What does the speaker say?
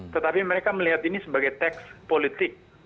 tetapi mereka melihat ini sebagai teks politik